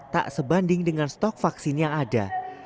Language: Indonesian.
tak sebanding dengan stok vaksin yang ada